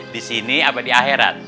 di sini apa di akhirat